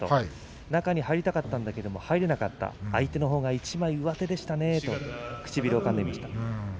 中に入りたかったけど入れなかったが相手のほうが一枚上手でしたねと唇をかみました。